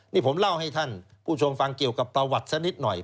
นี่ผมเล่าให้ท่านผู้ชมฟังเกี่ยวกับประวัติสักนิดหน่อย